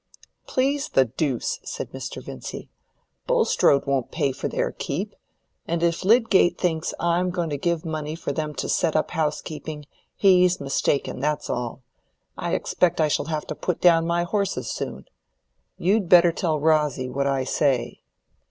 "Please the deuce!" said Mr. Vincy. "Bulstrode won't pay for their keep. And if Lydgate thinks I'm going to give money for them to set up housekeeping, he's mistaken, that's all. I expect I shall have to put down my horses soon. You'd better tell Rosy what I say."